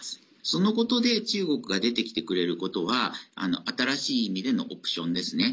そのことで中国が出てきてくれることは新しい意味でのオプションですね。